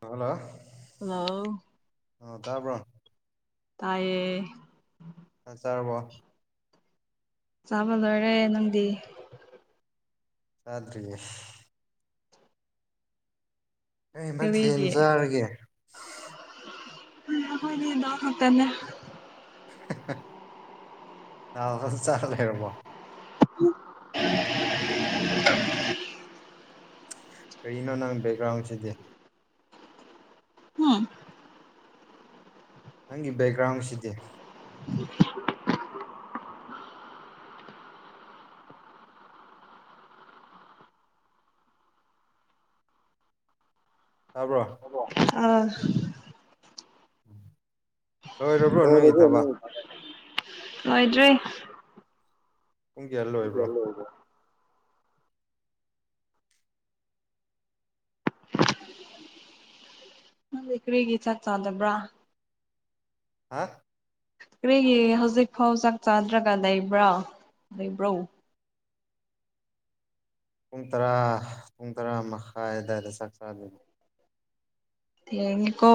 hello hello ꯑ ꯇꯥꯕ꯭ꯔꯣ ꯇꯥꯏꯌꯦ ꯆꯥꯛ ꯆꯥꯔꯕꯣ ꯆꯥꯕ ꯂꯣꯏꯔꯦ ꯅꯪꯗꯤ ꯆꯥꯗ꯭ꯔꯤ ꯀꯩ ꯃꯊꯦꯜ ꯀꯔꯤꯒꯤ ꯆꯥꯔꯒꯦ ꯑ ꯑꯈꯣꯏꯗꯤ ꯗꯥꯜ ꯈꯛꯇꯅꯦ ꯗꯥꯜ ꯗꯨꯝ ꯆꯥ ꯂꯩꯔꯕ‌ꯣ [unintelligible] ꯀꯔꯤꯅꯣ ꯅꯪ ꯕꯦꯛꯒ꯭ꯔꯥꯎꯟꯁꯤꯗꯤ ꯍꯥ ꯅꯪꯒꯤ ꯕꯦꯛꯒ꯭ꯔꯥꯎꯟꯁꯤꯗꯤ ꯇꯥꯕ꯭ꯔꯣ ꯑꯥ ꯂꯣꯏꯔꯕ꯭ꯔꯣ ꯅꯣꯏꯒꯤ [unintelligible] ꯊꯕꯛ ꯂ‌ꯣꯏꯗ꯭ꯔꯤ ꯄꯨꯡ ꯀꯌꯥ ꯂꯣꯏꯕ꯭ꯔꯣ ꯅꯪꯗꯤ ꯀꯔꯤꯒꯤ ꯆꯥꯛ ꯆꯥꯗꯕ꯭ꯔꯥ ꯍꯥ ꯀꯔꯤꯒꯤ ꯍꯧꯖꯤꯛ ꯐꯥꯎ ꯆꯥꯛ ꯆꯥꯗ꯭ꯔꯒ ꯂꯩꯕ꯭ꯔꯥ ꯂꯩꯕ꯭ꯔꯣ ꯄꯨꯡ ꯇꯔꯥ ꯄꯨꯡ ꯇꯔꯥ ꯃꯈꯥꯏ ꯑꯗꯨꯋꯥꯏꯗ ꯆꯥꯛ ꯆꯥꯗꯣꯏꯅꯤ ꯊ‌ꯦꯡꯉꯤꯀꯣ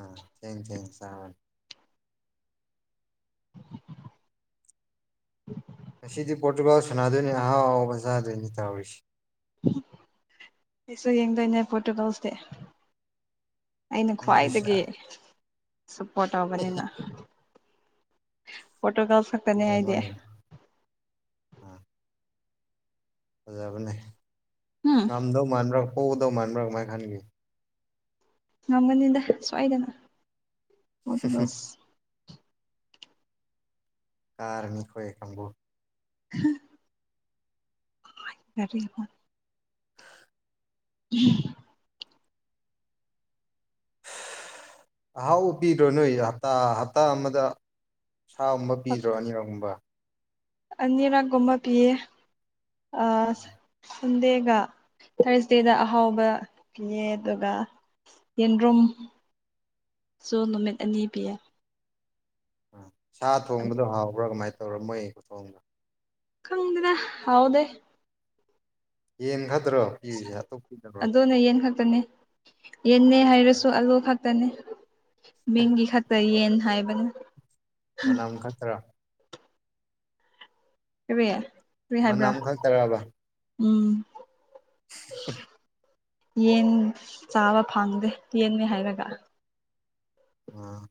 ꯑ ꯊ‌ꯦꯡ ꯊ‌ꯦꯡ ꯆꯥ ꯉꯁꯤꯗꯤ ꯄꯣꯔꯇꯨꯒꯥꯜ ꯁꯥꯟꯅꯗꯣꯏꯅꯤ ꯑꯍꯥꯎ ꯑꯍꯥꯎꯕ ꯆꯥꯗꯣꯏꯅꯤ ꯇꯧꯔꯤꯁꯤ ꯑꯩꯁꯨ ꯌꯦꯡꯗꯣꯏꯅꯦ ꯄ‌ꯣꯔꯇꯨꯒꯜꯁꯇꯤ ꯑꯩꯅ ꯅꯪꯁꯨ ꯈ꯭ꯋꯥꯏꯗꯒꯤ ꯁꯞꯄꯣꯔꯠ ꯇꯧꯕꯅꯤꯅ ꯄ‌ꯣꯔꯇꯨꯒꯜꯁꯈꯛ [unintelligible] ꯑꯥ ꯐꯖꯕꯅꯦ ꯎꯝ ꯉꯝꯗꯧ ꯃꯥꯟꯕ꯭ꯔꯥ ꯄ‌ꯣꯗꯧ ꯃꯥꯟꯕ꯭ꯔꯥ ꯀꯃꯥꯏꯅ ꯈꯟꯒꯦ ꯉꯝꯒꯅꯤꯗ ꯁ‌ꯣꯏꯗꯅ ꯄ‌ꯣꯔꯇꯨꯒꯜꯁ ꯀꯥꯔ ꯃꯤ ꯈꯣꯏ ꯀꯥꯡꯕꯨ ꯍꯥ ꯌꯥꯔꯤ ꯄ‌ꯣꯠ [unintelligible] ꯑꯍꯥꯎꯕ ꯄꯤꯗ꯭ꯔꯣ ꯅꯣꯏ ꯍꯞꯇꯥ ꯍꯞꯇꯥ ꯑꯃꯗ ꯁꯥꯒꯨꯝꯕ ꯄꯤꯗ꯭ꯔꯣ ꯑꯅꯤꯔꯛꯒꯨꯝꯕ ꯑꯅꯤꯔꯛꯒꯨꯝꯕ ꯑ ꯄꯤꯌꯦ ꯑꯖ ꯁꯟꯗꯦꯒ ꯊꯔꯁꯗꯦꯗ ꯑꯍꯥꯎꯕ ꯄꯤꯌꯦ ꯑꯗꯨꯒ ꯌꯦꯟꯗ꯭ꯔꯨꯝ ꯁꯨ ꯅꯨꯃꯤꯠ ꯑꯅꯤ ꯄꯤꯌꯦ ꯎ ꯁꯥ ꯊꯣꯡꯕꯗꯣ ꯍꯥꯎꯕ꯭ꯔꯥ ꯀꯃꯥꯏꯅ ꯇꯧꯔ ꯃꯣꯏ ꯈꯨꯊꯣꯡꯗ‌ꯣ ꯈꯪꯗ‌ꯦꯗ ꯍꯥꯎꯗꯦ ꯌꯦꯟ ꯈꯗ꯭ꯔꯣ ꯑꯗꯨꯗꯣꯅ ꯌꯦꯟ ꯈꯛꯇꯅꯦ ꯌꯦꯟꯅ ꯍꯥꯏꯔꯁꯨ ꯑꯂꯨ ꯈꯛꯇꯅꯦ ꯃꯤꯡꯒꯤ ꯈꯛꯇꯔ ꯌꯦꯟ ꯍꯥꯏꯕꯅꯦ ꯃꯅꯝ ꯈꯛꯇ꯭ꯔꯥ ꯀꯔꯦ ꯀꯏ ꯍꯥꯏꯕ꯭ꯔꯥ ꯃꯅꯝ ꯎꯝ ꯑ ꯌꯦꯟ ꯆꯥꯕ ꯐꯪꯗꯦ ꯌꯦꯟꯅꯤ ꯍꯥꯏꯔꯒ ꯎꯝ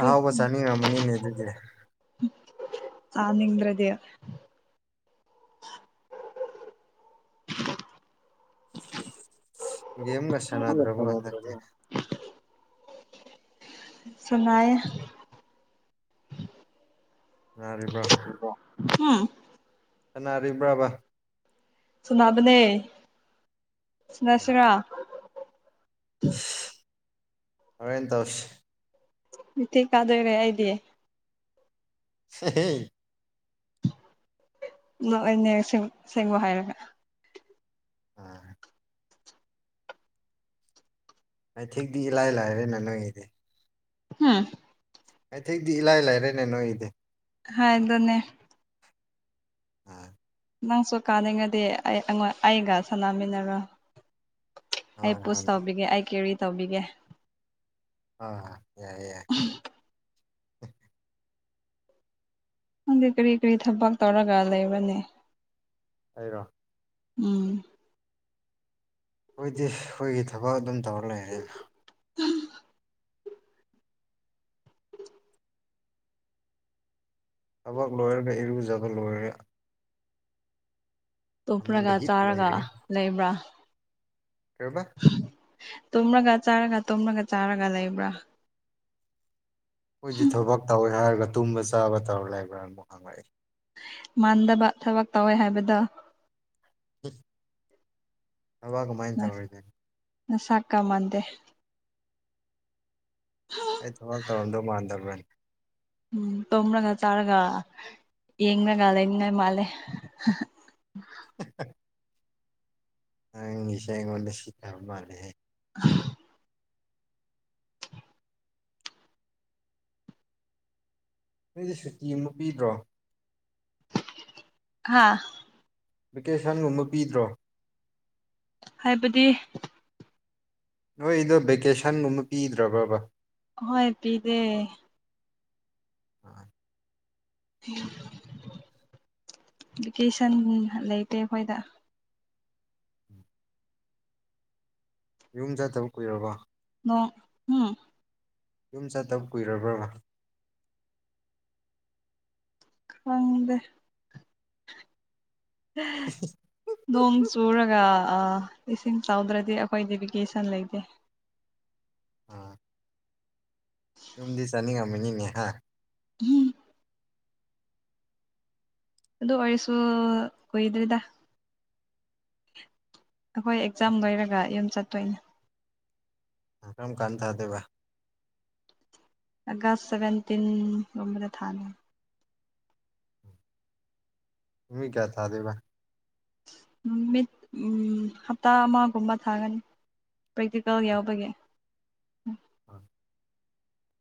ꯑꯍꯥꯎꯕ ꯆꯥꯅꯤꯡꯉꯝꯃꯅꯤꯅꯦ ꯑꯗꯨꯗꯤ ꯆꯅꯤꯡ꯭ꯔꯗꯤꯌꯥ ꯦꯝ ꯅꯁ ꯁꯅꯥ ꯌꯥꯔꯤꯕ꯭ꯔꯣ ꯎꯝ ꯁꯥꯟꯅꯥꯅꯕ꯭ꯔꯕ ꯁꯨꯅꯥꯕꯅꯦ ꯁꯅꯁꯤꯔꯥ ꯍꯦꯅ ꯇꯧꯁꯤ ꯏ ꯊꯤ ꯀꯥꯗꯣꯏꯔꯦ ꯍꯥꯏꯗꯤ ꯁꯦꯍꯦ ꯁꯤꯃ ꯍꯥꯏꯔꯒ ꯑꯥ ꯑꯩ ꯊꯤꯛꯇꯤ ꯏꯂꯥꯏ ꯂꯥꯏꯔꯦ ꯅ ꯅꯣꯏꯒꯤꯗꯤ ꯍꯥꯝ ꯑꯩꯊꯦꯛꯛꯇꯗꯤ ꯏꯂꯥꯏ ꯂꯥꯏꯔꯅꯦ ꯅꯣꯏꯒꯤꯗꯤ ꯍꯥ ꯏꯗꯅꯦꯦ ꯎꯝ ꯅꯪꯁꯨ ꯀꯥꯅꯤꯡꯉꯗꯤ ꯑꯩ ꯑꯩꯒ ꯁꯥꯟꯅꯃꯤꯟꯅꯔ ꯑꯩ ꯍꯣꯏ ꯄꯨꯁ ꯍꯣꯏ ꯇꯧꯕꯤꯒꯦ ꯑꯩ ꯀꯦꯔꯤ ꯇꯧꯕꯤꯒꯦ ꯑ ꯌꯥꯏꯌꯦ ꯌꯥꯏ ꯈꯪꯗꯦ ꯀꯔꯤ ꯀꯔꯤ ꯊꯕꯛ ꯇꯧꯔꯒ ꯂꯩꯕꯅꯤ ꯍꯥꯏꯔꯣ ꯎꯝ ꯑꯩꯈꯣꯏꯗꯤ ꯑꯩꯈꯣꯏꯒꯤ ꯊꯕꯛ ꯑꯗꯨꯝ ꯇꯧꯔ ꯂꯩꯔꯦ ꯊꯕꯛ ꯂꯣꯏꯔꯒ ꯏꯔꯨꯖꯕ ꯂꯣꯏꯔꯦ ꯐꯃꯨꯡꯗ ꯇꯨꯞꯔꯒ ꯍꯤꯞ ꯆꯥꯔꯒ ꯂꯩꯔꯦ ꯂꯩꯕ꯭ꯔꯥ ꯀꯕꯥ ꯇꯣꯝꯔꯒ ꯆꯥꯔꯒ ꯇꯣꯃꯔꯒ ꯆꯥꯔꯒ ꯂꯩꯕ꯭ꯔꯥ ꯑꯩꯈꯣꯏꯗꯤ ꯊꯕꯛ ꯇꯧꯋꯦ ꯍꯥꯏꯔꯒ ꯇꯨꯝꯕ ꯆꯥꯕ ꯇꯧꯔ ꯂꯩꯕ꯭ꯔꯥꯅꯨꯛ ꯍꯪꯉꯛꯏ ꯃꯥꯟꯗꯕ ꯊꯕꯛ ꯇꯧꯋꯦ ꯍꯥꯏꯕꯗ ꯊꯕꯥ ꯀꯃꯥꯏꯅ ꯇꯧꯔꯤꯁꯦ ꯁꯀꯥ ꯃꯥꯟꯗ ꯍ ꯑꯩ ꯊꯃ ꯇꯧꯗꯣ ꯃꯥꯟꯗꯕꯔꯥ ꯎꯝ ꯇꯨꯝꯔꯒ ꯆꯥꯔꯒ ꯌꯦꯡꯉꯒ ꯂꯩꯅꯤꯡꯉꯥꯏ ꯃꯥꯜꯂꯦ [unintelligible] ꯑꯪꯒꯤꯁ ꯑꯩꯉꯣꯟꯗ ꯁꯤꯇ ꯃꯥꯅꯦ ꯎ ꯅꯣꯏꯗꯤ ꯁꯨꯇꯤ ꯑꯃ ꯄꯤꯗ꯭ꯔꯣ ꯍꯥꯥ ꯚꯦꯀꯦꯁꯟꯒꯨꯝꯕ ꯄꯤꯗ꯭ꯔꯣ ꯍꯥꯏꯕꯗꯤ ꯅꯣꯏ ꯏꯗꯣ ꯕꯦꯀꯦꯁꯟꯒꯨꯝꯕ ꯄꯤꯗ꯭ꯔꯕꯕ ꯍꯣꯏ ꯄꯤꯗꯦ ꯍꯣꯏ ꯚꯦꯀꯦꯁꯟ ꯂꯩꯇꯦ ꯑꯩꯈꯣꯏꯗ ꯌꯨꯝ ꯆꯥꯗꯕ ꯀꯨꯏꯔꯕꯣ ꯅ ꯎꯝ ꯌꯨꯝ ꯆꯠꯇꯕ ꯀꯨꯏꯔꯕ꯭ꯔꯃ ꯈꯪꯗ ꯍꯝ [inaudible] ꯅꯣꯡ ꯆꯨꯔꯒ ꯏꯁꯤꯡ ꯆꯥꯎꯗ꯭ꯔꯗꯤ ꯑꯩꯈꯣꯏ ꯗꯤꯚꯕꯤꯤꯀꯦꯁꯟ ꯂꯩꯇꯦ ꯑ ꯌꯨꯝꯗꯤ ꯆꯥꯅꯤꯡꯉꯝꯅꯤꯅꯦ ꯍꯥꯏ ꯎꯝ ꯑꯗꯨ ꯑꯣꯏꯔꯁꯨ ꯀꯨꯏꯗ꯭ꯔꯔꯤꯗ ꯑꯩꯈꯣꯏ ꯑꯦꯛꯖꯥꯝ ꯂꯣꯏꯔꯒ ꯌꯨꯝ ꯆꯠꯇꯣꯏꯅꯦ ꯀꯔꯝ ꯀꯥꯟ ꯊꯥꯗꯦꯕ ꯑꯒꯁ ꯁꯕꯦꯟꯇꯤꯟꯗ ꯊꯥꯅ ꯅꯨꯃꯤ ꯀꯌꯥ ꯊꯥꯗꯦꯕ ꯅꯨ ꯃꯤꯠ ꯎ ꯍꯞꯇꯥ ꯑꯃꯒꯨꯝꯕ ꯊꯥꯒꯅꯤ ꯄ꯭ꯔꯦꯛꯇꯤꯀꯦꯜ ꯌꯥꯎꯕꯒꯤ ꯑ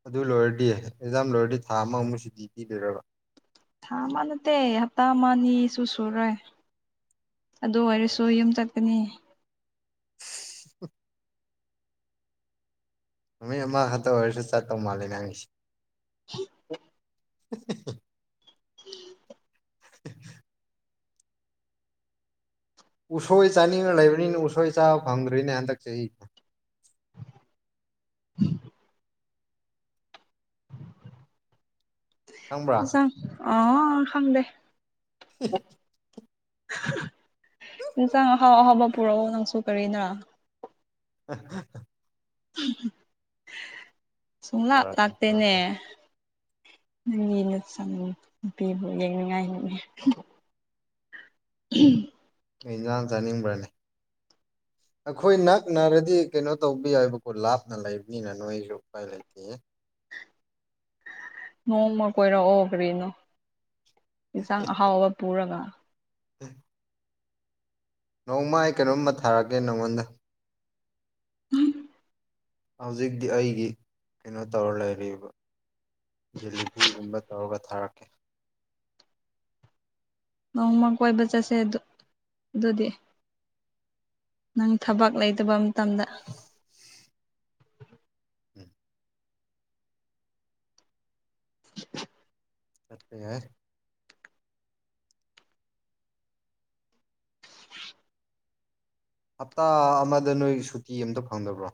ꯑꯗꯨ ꯂꯣꯏꯔꯗꯤ ꯑꯦꯛꯖꯥꯝ ꯂꯣꯏꯔꯗꯤ ꯊꯥ ꯑꯃꯃꯨꯛ ꯁꯨꯗꯤꯤ ꯄꯤꯕꯤꯔꯕ ꯊꯥ ꯃꯥꯟꯗ ꯍꯞꯇꯥ ꯃꯅꯤ ꯆꯨ ꯁꯨꯔꯨꯔꯦ ꯑꯗꯨ ꯑꯣꯏꯔꯁꯨ ꯌꯨꯝ ꯆꯠꯀꯅꯤ ꯎ ꯑ ꯑꯃ ꯍꯥꯊ ꯑꯣꯏꯔꯁ ꯆꯠꯇꯣ ꯃꯥꯂꯤ ꯅꯉꯁꯤ [inaudible] [inaudible] [inaudible] ꯎꯁꯣꯏ ꯆꯥꯅꯤꯡꯉ ꯂꯩꯕꯅꯤꯅ ꯎꯁꯣꯏ ꯆꯥꯕ ꯐꯪꯗꯣꯏꯅꯦ ꯍꯟꯗꯛꯁꯦ ꯑꯩ ꯈꯪꯕ꯭ꯔꯥ ꯆꯪ ꯑ ꯈꯪꯗꯦ ꯏꯟꯁꯥꯡ ꯑꯍꯥꯎ ꯑꯍꯥꯎꯕ ꯄꯨꯔꯛꯑꯣ ꯅꯪꯁꯨ ꯀꯔꯤꯅ ꯑ ꯁꯨꯡꯨꯡꯂꯥꯛ ꯄꯨꯔꯛꯀꯦ ꯂꯥꯛꯇꯅꯦ ꯄꯨꯔꯛꯀꯦ ꯅꯪꯒꯤꯅ ꯆꯪꯅꯤꯡ ꯅꯨꯄꯤꯕꯨ ꯌꯦꯡꯅꯤꯡꯉꯥꯏꯅꯤꯉ ꯎꯝ ꯅ ꯏꯟꯖꯥꯡ ꯆꯥꯅꯤꯡꯕ꯭ꯔꯅꯦ ꯑꯩꯈꯣꯏ ꯅꯅꯥꯛꯅꯅꯥꯔꯗꯤ ꯀꯩꯅꯣ ꯇꯧꯕ ꯌꯥꯏꯕꯀꯣ ꯂꯥꯞꯅ ꯂꯩꯕꯅꯤꯅ ꯅꯣꯏꯁꯨ ꯄꯥꯏ ꯂꯩꯇꯦ ꯅꯣꯡꯃ ꯀꯣꯏꯔꯛꯑꯣ ꯀꯔꯤꯅꯣ ꯌꯦꯟꯁꯥꯡ ꯑꯍꯥꯎꯕ ꯄꯨꯔꯒ ꯎꯝ ꯅꯣꯡꯃ ꯑꯩ ꯀꯩꯅꯣꯝꯃ ꯊꯥꯔꯛꯑꯒꯦ ꯅꯪꯉꯣꯟꯗ ꯍꯧꯖꯤꯛꯇꯤ ꯑꯩꯒꯤ ꯀꯩꯅꯣ ꯇꯧꯔ ꯂꯩꯔꯤꯕ ꯗꯦꯂꯤꯚꯔꯤꯒꯨꯝꯕ ꯇꯧꯔꯒ ꯊꯥꯔꯛꯀꯦ ꯅꯣꯡꯃ ꯀꯣꯏꯕ ꯆꯠꯁꯦ ꯑꯗꯨ ꯑꯗꯨꯗꯤ ꯅꯪ ꯊꯕꯛ ꯂꯩꯇꯕ ꯃꯇꯝꯗ ꯎꯝ ꯐꯠꯇꯦꯦ ꯍꯞꯇꯥ ꯑꯃꯗ ꯅꯣꯏ ꯁꯨꯇꯤ ꯑꯝꯇ ꯐꯪꯗꯕ꯭ꯔꯣ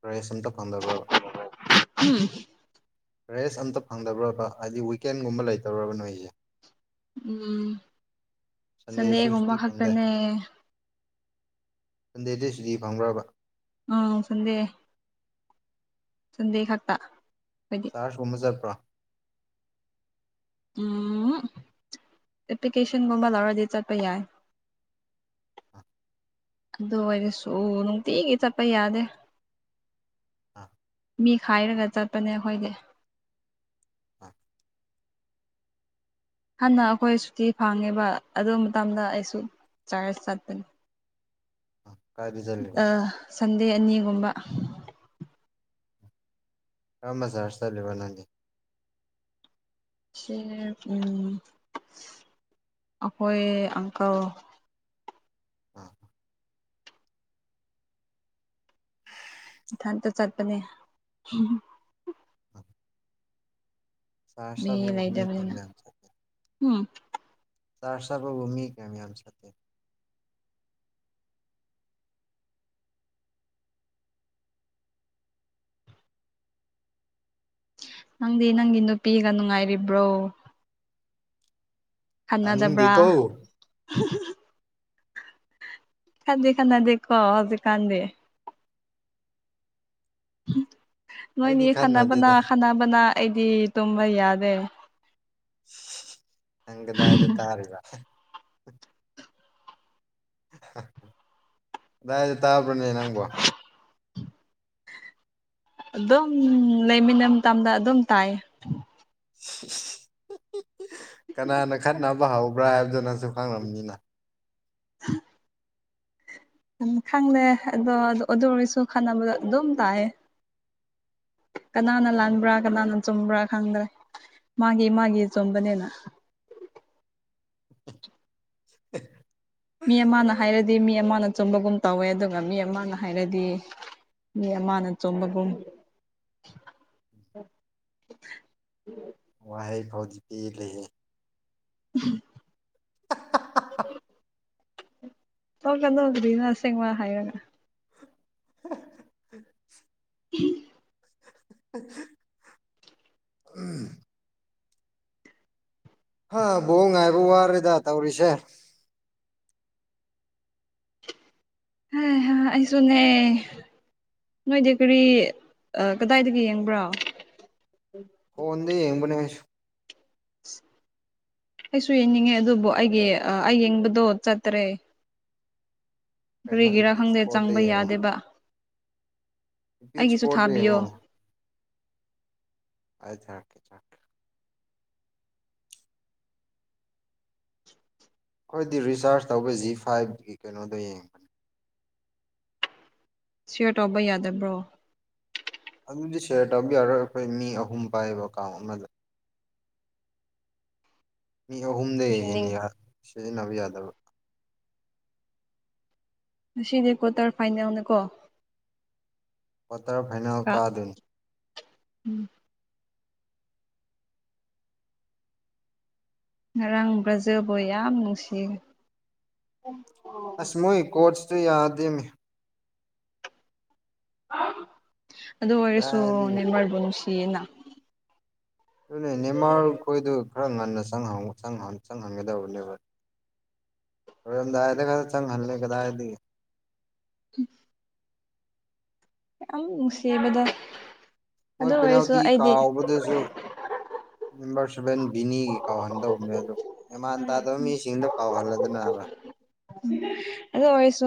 ꯄ꯭ꯔꯥꯏꯁ ꯑꯝꯇ ꯐꯪꯗꯕ꯭ꯔꯕ ꯎꯝ ꯔꯦꯁ ꯑꯝꯇ ꯐꯪꯗꯕ꯭ꯔꯕ ꯍꯥꯏꯗꯤ ꯋꯤꯛꯀꯦꯟꯒꯨꯝꯕ ꯂꯩꯇꯧꯔꯕ ꯅꯣꯏꯁꯦ ꯎꯝ ꯁꯟꯗꯦꯁꯨ ꯁꯟꯗꯦꯒꯨꯝꯕ ꯁꯨꯇꯤ ꯐꯪꯗꯦ ꯈꯛꯇꯅꯦ ꯁꯟꯗꯦꯗꯁꯨꯗꯤ ꯐꯪꯈ꯭ꯔꯕ ꯎꯝ ꯁꯟꯗꯦꯦ ꯁꯟꯗꯦ ꯈꯥꯛꯛꯇ ꯀꯥꯔꯁꯒꯨꯝꯕ ꯆꯠ꯭ꯔꯣ ꯎꯝ ꯑꯦꯄ꯭ꯂꯤꯀꯦꯁꯟꯒꯨꯝꯕ ꯂꯧꯔꯗꯤ ꯆꯠꯄ ꯌꯥꯏ ꯑꯥ ꯑꯗꯨ ꯑꯣꯏꯔꯁꯨ ꯅꯨꯡꯇꯤꯒꯤ ꯆꯠꯄ ꯌꯥꯗꯦ ꯑꯥ ꯃꯤ ꯈꯥꯏꯔꯒ ꯆꯠꯄꯅꯦ ꯑꯩꯈꯣꯏꯁ ꯑꯥ ꯍꯥꯟꯟꯅ ꯑꯩꯈꯣꯏ ꯁꯨꯇꯤ ꯐꯪꯉꯦꯕ ꯑꯗꯨ ꯃꯇꯝꯗ ꯑꯩꯁꯨ ꯆꯥꯔꯖ ꯆꯠꯄꯅꯤ ꯀꯥꯏ ꯁꯟꯗꯦ ꯑꯅꯤꯒꯨꯝꯕ ꯑꯃ ꯁꯥꯔ ꯆꯠ ꯂꯩꯕꯣ ꯅꯗꯤ ꯁꯤ ꯎꯝ ꯑꯩꯈꯣꯏ ꯑꯪꯀꯜ ꯑꯥ ꯑ ꯏꯊꯟꯇ ꯆꯠꯄꯅꯦ ꯁꯔ ꯃꯤ ꯁꯕꯨꯅꯤ ꯂꯩꯇꯕꯅꯤꯅ ꯑꯕꯤꯌꯥꯟ ꯆ ꯎꯝ ꯁꯍꯔꯁꯥꯕꯨ ꯎꯃꯤ ꯀꯃꯤꯦ ꯅꯪꯗꯤ ꯅꯪꯒꯤ ꯅꯨꯄꯤꯒ ꯅꯨꯡꯉꯥꯏꯔꯤꯕ꯭ꯔꯣ ꯈꯟꯅꯗꯕ꯭ꯔꯥ ꯇꯥꯅꯤꯡꯗꯦꯀꯣ ꯈꯥꯗꯦ ꯈꯥꯟꯗꯦꯀꯣ ꯍꯧꯖꯤꯛ ꯀꯥꯟꯗꯦ ꯑꯩꯗꯤ ꯅꯣꯏꯅꯤ ꯈꯅꯕꯅ ꯈꯠꯅꯗꯦꯗ ꯈꯥꯟꯅꯕꯅ ꯑꯩꯗꯤ ꯇꯨꯝꯕ ꯌꯥꯔꯦ ꯍꯒꯦꯗ ꯍꯥꯏ ꯑꯗꯨ ꯇꯥꯔꯒ ꯑꯥꯏ ꯇꯥ꯭ꯔꯅꯤ ꯅꯪꯒꯣ ꯑꯗꯨꯝ ꯂꯩꯃꯤꯟꯅ ꯃꯇꯝꯗ ꯑꯗꯨꯝ ꯇꯥꯏ ꯀꯅꯥꯅ ꯈꯠꯅꯕ ꯍꯧꯕ꯭ꯔꯥ ꯍꯥꯏꯕꯗꯨꯅꯁꯨ ꯈꯪꯉꯕꯅꯤꯅ ꯍ ꯑꯗꯨ ꯈꯪꯂꯦ ꯑꯗꯣ ꯑꯗꯨ ꯑꯣꯏꯔꯁꯨ ꯈꯟꯅꯅꯕꯗꯣ ꯑꯗꯨꯝ ꯇꯥꯛꯑꯦ ꯀꯅꯥꯅ ꯂꯥꯟꯕ꯭ꯔꯥ ꯀꯅꯥꯅ ꯆꯨꯝꯕ꯭ꯔꯥ ꯈꯪꯗ꯭ꯔꯦ ꯃꯥꯒꯤꯦ ꯃꯥꯒꯤꯦ ꯆꯣꯝꯕꯅꯦꯅ [unintelligible] ꯃꯤ ꯑꯃꯅ ꯍꯥꯏꯔꯗꯤ ꯃꯤ ꯑꯃꯅ ꯆꯨꯝꯕꯒꯨꯝ ꯇꯧꯋꯦ ꯑꯗꯨꯒ ꯃꯤ ꯑꯃꯅ ꯍꯥꯏꯔꯗꯤ ꯃꯤ ꯑꯃꯅ ꯆꯣꯝꯕꯒꯨꯝ [inaudible] ꯎꯝ ꯎꯝ ꯋꯥꯍꯩ ꯐꯥꯎꯗꯤ ꯄꯤ ꯂꯩꯌꯦꯦ ꯎꯝ ꯑꯣ ꯀꯗꯣꯛꯒ꯭ꯔꯤꯅꯁꯦꯡꯕ ꯍꯥꯏꯔ [inaudible] ꯎꯝ ꯎꯝ ꯍꯥ ꯕꯣꯡ ꯉꯥꯏꯕ ꯋꯥꯔꯦꯗ ꯇꯧꯔꯤꯁꯦ ꯍ ꯍꯥ ꯑꯩꯁꯨꯅꯦꯦ ꯅꯣꯏꯗꯤ ꯀꯔꯤ ꯀꯗꯥꯏꯗꯒꯤ ꯌꯦꯡꯕ꯭ꯔꯣ ꯐꯣꯟꯗꯤ ꯌꯦꯡꯕꯅꯦꯁꯨ ꯁ ꯑꯩꯁꯨ ꯌꯦꯡꯅꯤꯡꯉꯦ ꯑꯗꯨꯕꯨ ꯑꯩꯒꯤ ꯑꯩ ꯌꯦꯡꯕꯗꯣ ꯆꯠꯇ꯭ꯔꯦ ꯀꯩꯅꯣ ꯀꯔꯤꯒꯤꯔꯥ ꯏꯄꯤꯛ ꯈꯪꯗꯦ ꯏꯁꯄꯣꯔꯠꯇ ꯆꯪꯕ ꯌꯦꯡꯉꯣ ꯌꯥꯗꯦꯕ ꯏꯄꯤꯛ ꯑꯩꯒꯤꯁꯨ ꯏꯁꯄꯣꯔꯠꯇ ꯊꯥꯕꯤꯌꯣ ꯌꯦꯡꯉꯣ ꯑꯔꯀꯦꯀꯦ ꯑꯩꯈꯣꯏꯗꯤ ꯔꯤꯆꯥꯔꯖ ꯇꯧꯕ ꯖꯤ ꯐꯥꯏꯚꯒꯤ ꯀꯩꯅꯣꯗꯣ ꯌꯦꯡꯕꯅꯦ ꯁꯤꯌꯔ ꯇꯧꯕ ꯌꯥꯗꯕ꯭ꯔꯣ ꯑꯗꯨꯗꯤ ꯁꯤꯌꯔ ꯇꯧꯕ ꯌꯥꯔꯣꯏ ꯑꯩꯈꯣꯏ ꯃꯤ ꯑꯍꯨꯝ ꯄꯥꯏꯌꯦꯕ ꯑꯦꯀꯥꯎꯟ ꯑꯃꯗ ꯃꯤ ꯑꯍꯨꯝꯗꯒꯤ ꯌꯦꯡꯅꯤꯡ ꯍꯦꯟꯅ ꯁꯤꯖꯤꯟꯅꯕ ꯌꯥꯗꯕ ꯉꯗꯤ ꯀ꯭ꯋꯥꯇꯔ ꯐꯥꯏꯅꯦꯜꯅꯀꯣ ꯀ꯭ꯋꯥꯇꯔ ꯐꯥꯏꯅꯦꯜ ꯀꯥ ꯑꯗꯨꯅꯤ ꯎꯝ ꯔꯥꯡꯕ꯭ꯔꯥꯖꯕ ꯌꯥꯝ ꯅꯨꯡꯁꯤ ꯑꯁ ꯃꯣꯏ ꯀꯣꯔꯣꯆꯇꯨ ꯌꯥꯗꯃꯤ ꯑꯗꯨ ꯑꯣꯏꯔꯁꯨ ꯀꯗꯥꯏꯗꯒꯤ ꯅꯤꯔꯃꯜꯕꯨ ꯅꯨꯡꯁꯤꯌꯦꯅ ꯑꯗꯨꯅꯦ ꯅꯦꯃꯥꯔ ꯈꯣꯏꯗꯨ ꯈꯔ ꯉꯟꯅ ꯆꯪꯍꯟꯒꯗꯕꯅꯦꯕ ꯝꯗꯥ ꯆꯪ ꯍꯜꯂ ꯀꯗꯥꯌꯦꯗꯤ ꯎꯝ ꯌꯥꯝ ꯅꯨꯡꯁꯤꯕꯗ ꯃꯣꯏ ꯕꯤꯅꯥꯎꯗꯤꯤ ꯀꯥꯎꯕꯗꯨꯁꯨ ꯅꯝꯕꯔ ꯁꯚꯦꯟ ꯕꯤꯅꯤꯒꯤ ꯀꯥꯎꯍꯟꯗꯧꯕꯅꯦ ꯑꯗꯣ ꯑꯦꯃꯥꯟ ꯇꯥꯗꯕ ꯃꯤꯁꯤꯡꯗꯣ ꯀꯥꯎꯍꯜꯂꯗꯅꯕ ꯑꯗꯣꯣꯏꯁꯨ